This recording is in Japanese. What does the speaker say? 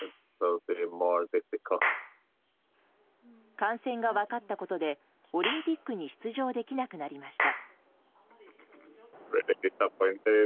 感染が分かったことでオリンピックに出場できなくなりました。